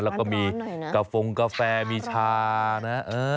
แล้วก็มีกระฟงกาแฟมีชานะ